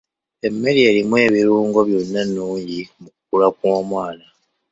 Emmere erimu ebirungo byonna nnungi mu kukula kw'omwana.